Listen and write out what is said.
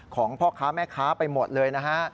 ของพ่อค้าแม่ค้าไปหมดเลยนะฮะ